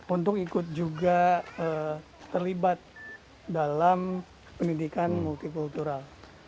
untuk ikut juga terlibat dalam pendidikan multikultural